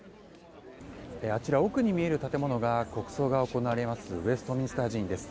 あちら、奥に見える建物が国葬が行われますウェストミンスター寺院です。